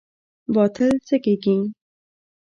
باطل څه کیږي؟